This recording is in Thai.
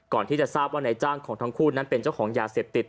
ก่อนที่จะทราบว่านายจ้างของทั้งคู่นั้นเป็นเจ้าของยาเสพติด